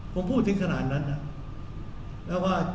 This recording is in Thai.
ผมพูดถึงขนาดนั้นนะ